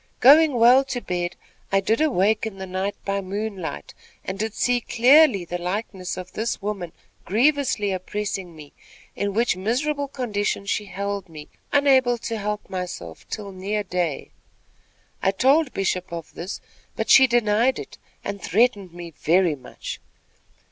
Going well to bed, I did awake in the night by moonlight, and did see clearly the likeness of this woman grievously oppressing me; in which miserable condition she held me, unable to help myself till near day. I told Bishop of this; but she denied it, and threatened me very much.